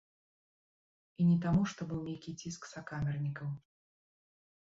І не таму, што быў нейкі ціск сакамернікаў.